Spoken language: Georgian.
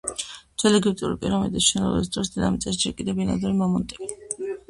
ძველეგვიპტური პირამიდების მშენებლობის დროს დედამიწაზე ჯერ კიდევ ბინადრობდნენ მამონტები.